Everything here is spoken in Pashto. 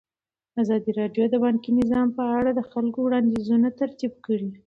ازادي راډیو د بانکي نظام په اړه د خلکو وړاندیزونه ترتیب کړي.